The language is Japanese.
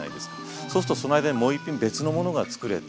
そうするとその間にもう１品別のものが作れて。